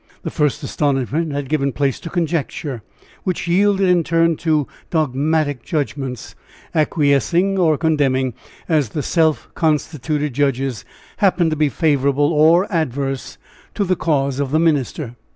The first astonishment had given place to conjecture, which yielded in turn to dogmatic judgments acquiescing or condemning, as the self constituted judges happened to be favorable or adverse to the cause of the minister.